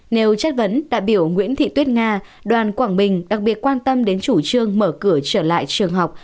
nếu chất vấn đại biểu nguyễn thị tuyết nga đoàn quảng bình đặc biệt quan tâm đến chủ trương mở cửa trở lại trường học